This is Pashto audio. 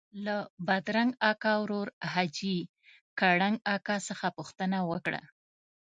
له بادرنګ اکا ورور حاجي کړنګ اکا څخه پوښتنه وکړه.